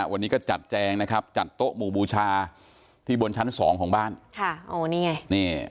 วันนี้ก็จัดแจงนะครับจัดโต๊ะหมู่บูชาที่บนชั้นสองของบ้าน